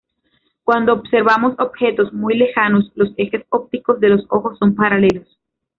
Cuando observamos objetos muy lejanos, los ejes ópticos de los ojos son paralelos.